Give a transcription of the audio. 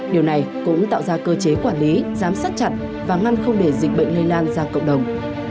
điều này cũng tạo ra cơ chế quản lý giám sát chặt và ngăn không để dịch bệnh lây lan ra cộng đồng